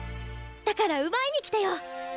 だから奪いにきてよ。